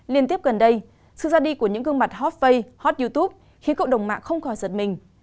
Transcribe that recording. liên tiếp gần đây sự ra đi của những gương mặt hotface hot youtube khiến cộng đồng mạng không khó giật mình